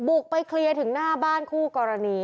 ไปเคลียร์ถึงหน้าบ้านคู่กรณี